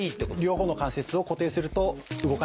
両方の関節を固定すると動かなくなります。